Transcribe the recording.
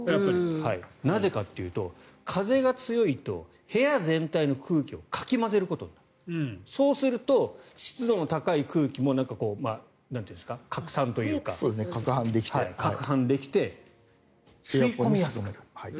なぜかというと風が強いと部屋全体の空気をかき混ぜることができるそうすると湿度の高い空気も拡散というか、かくはんできて吸い込みやすくなる。